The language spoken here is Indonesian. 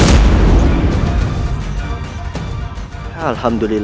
rayus rayus sensa pergi